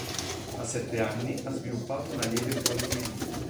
A sette anni ha sviluppato una lieve poliomielite.